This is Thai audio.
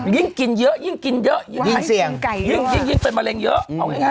ยิ่งกินเยอะยิ่งเป็นมะเร็งเยอะ